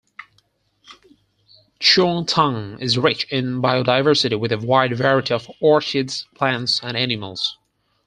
Chungthang is rich in biodiversity with a wide variety of orchids, plants and animals.